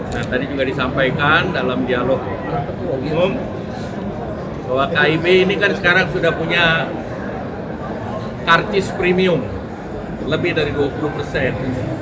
nah tadi juga disampaikan dalam dialog umum bahwa kib ini kan sekarang sudah punya karcis premium lebih dari dua puluh persen